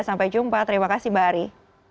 sampai jumpa terima kasih mbak ari